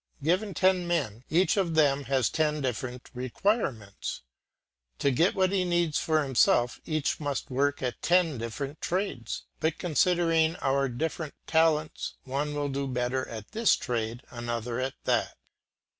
Given ten men, each of them has ten different requirements. To get what he needs for himself each must work at ten different trades; but considering our different talents, one will do better at this trade, another at that.